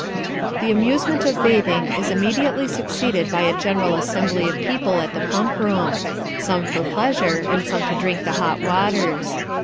The amusement of bathing is immediately succeeded by a general assembly of people at the pump room ; some for pleasure, and some to drink the hot waters.